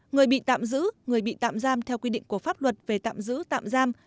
người bị tạm giữ người bị tạm giam theo quy định của pháp luật về tạm giữ tạm giam